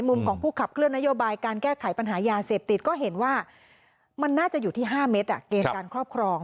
มุมของผู้ขับเคลื่อนนโยบายการแก้ไขปัญหายาเสพติดก็เห็นว่ามันน่าจะอยู่ที่๕เมตรเกณฑ์การครอบครอง